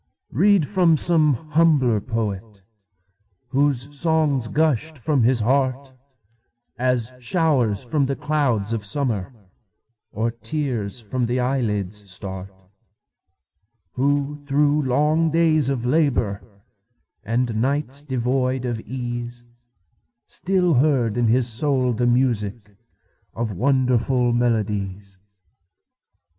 Read from some humbler poet, Whose songs gushed from his heart, As showers from the clouds of summer, Or tears from the eyelids start; Who, through long days of labor, And nights devoid of ease, Still heard in his soul the musicOf wonderful melodies.